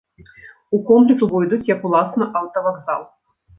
У комплекс увойдуць як уласна аўтавакзал.